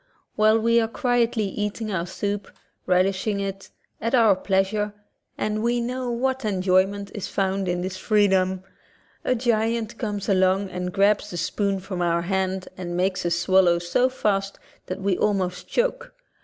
While we are quietly eating our soup, relishing it, at our pleasure (and we know what an enjoy ment is found in this freedom), a giant comes along and grabs the spoon from our hand and makes us swallow so fast that we almost choke.